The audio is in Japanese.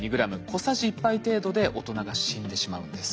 小さじ１杯程度で大人が死んでしまうんです。